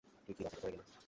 তুই কি রকেটে করে গেলি?